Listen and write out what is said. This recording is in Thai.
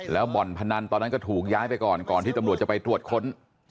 แล้วบ่อนพนันตอนนั้นก็ถูกย้ายไปก่อนก่อนที่ตำรวจจะไปตรวจค้น